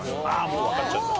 もうわかっちゃった。